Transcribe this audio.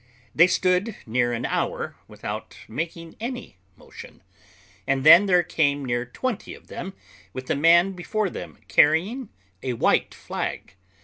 They stood near an hour without making any motion; and then there came near twenty of them, with a man before them carrying a white flag.